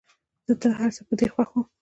زه تر هرڅه پر دې خوښ وم.